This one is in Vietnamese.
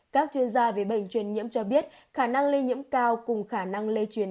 các chuyên gia về bệnh truyền nhiễm cho biết khả năng lây nhiễm cao cùng khả năng lây truyền